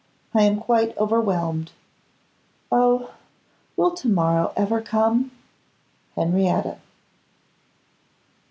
I am quite overwhelmed. Oh! will to morrow ever come? Henrietta.